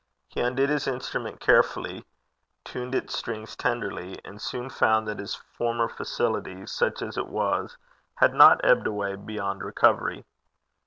He undid his instrument carefully, tuned its strings tenderly, and soon found that his former facility, such as it was, had not ebbed away beyond recovery.